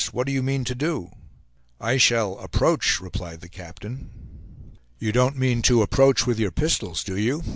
What do you mean to do?" "I shall 'approach,'" replied the captain. "You don't mean to 'approach' with your pistols, do you?